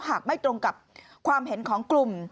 หากไม่ตรงกับความเห็นของกลุ่ม